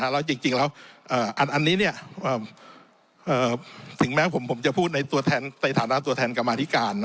แล้วจริงแล้วอันนี้ถึงแม้ผมจะพูดในตัวแทนในฐานะตัวแทนกรรมาธิการ